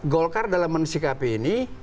golkar dalam menisik hp ini